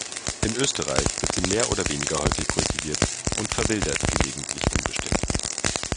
In Österreich wird sie mehr oder weniger häufig kultiviert und verwildert gelegentlich unbeständig.